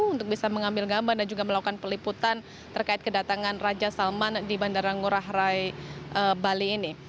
untuk bisa mengambil gambar dan juga melakukan peliputan terkait kedatangan raja salman di bandara ngurah rai bali ini